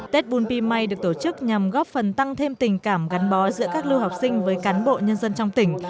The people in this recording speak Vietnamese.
tết bùm pi may được tổ chức nhằm góp phần tăng thêm tình cảm gắn bó giữa các lưu học sinh với cán bộ nhân dân trong tỉnh